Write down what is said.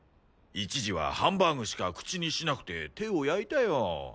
一時はハンバーグしか口にしなくて手を焼いたよ。